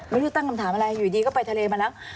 ไม่รู้ตั้งคำถามอะไรอยู่ดีก็ไปทะเลมาแล้ว